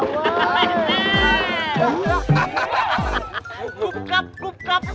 กุบกับกุบกับ